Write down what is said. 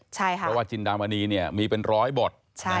เพราะว่าจินดามณีมีเป็นร้อยบท